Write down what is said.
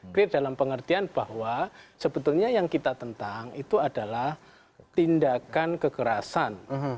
clear dalam pengertian bahwa sebetulnya yang kita tentang itu adalah tindakan kekerasan